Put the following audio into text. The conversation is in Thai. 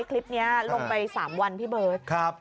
คลิปนี้ลงไป๓วันพี่เบิร์ต